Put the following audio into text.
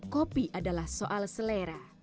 kopi adalah soal selera